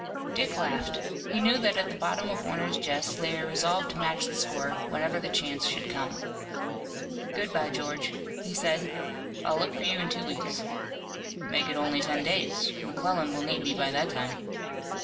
Dick laughed. He knew that at the bottom of Warner's jest lay a resolve to match the score, whenever the chance should come. "Good bye, George," he said. "I'll look for you in two weeks." "Make it only ten days. McClellan will need me by that time."